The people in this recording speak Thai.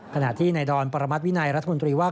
ขณะที่ในดอนปรมัติวินัยรัฐมนตรีว่า